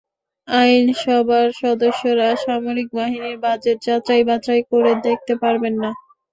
আইন সভার সদস্যরা সামরিক বাহিনীর বাজেট যাচাই-বাছাই করে দেখতে পারবেন না।